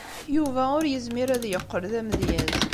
Yuba ur yezmir ad yeqqel d amedyaz.